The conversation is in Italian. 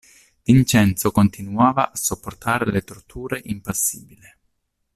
Vincenzo continuava a sopportare le torture impassibile.